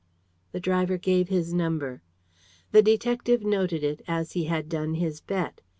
The driver gave his number. The detective noted it, as he had done his bet.